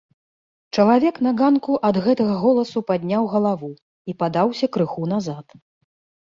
Чалавек на ганку ад гэтага голасу падняў галаву і падаўся крыху назад.